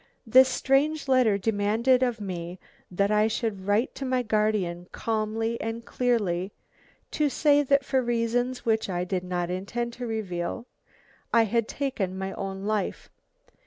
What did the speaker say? "This strange letter demanded of me that I should write to my guardian, calmly and clearly, to say that for reasons which I did not intend to reveal, I had taken my own life.